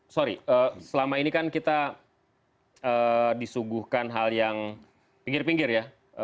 sorry selama ini kan kita disuguhkan hal yang pinggir pinggir ya